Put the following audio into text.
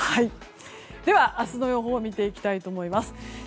では明日の予報を見ていきたいと思います。